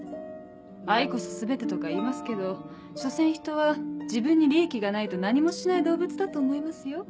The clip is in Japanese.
「愛こそ全て」とか言いますけど所詮人は自分に利益がないと何もしない動物だと思いますよ。